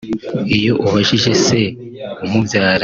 Iyo ubajije se umubyara